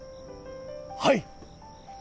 はい！